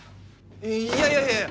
いやいやいやいや。